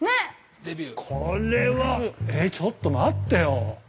◆これは、え、ちょっと待ってよ。